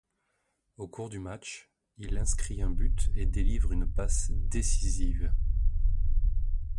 Au cours du match, il inscrit un but et délivre une passe décisive.